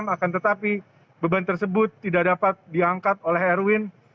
akan tetapi beban tersebut tidak dapat diangkat oleh erwin